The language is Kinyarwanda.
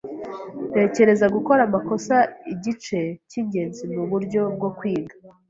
Ntekereza gukora amakosa igice cyingenzi muburyo bwo kwiga.